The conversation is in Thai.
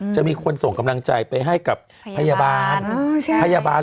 จะมีคนส่งกำลังใจไปให้กับพยาบาลพยาบาล